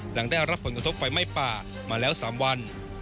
หลังได้รับผลกระทบไฟไหม้ป่ามาแล้ว๓วัน